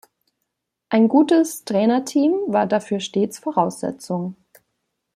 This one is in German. Ein gutes Trainerteam war dafür stets Voraussetzung.